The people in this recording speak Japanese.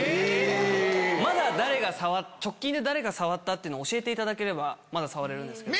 直近で誰が触ったっていうのを教えていただければ触れるけど。